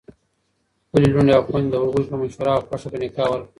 خپلي لوڼي او خوندي د هغوی په مشوره او خوښه په نکاح ورکړئ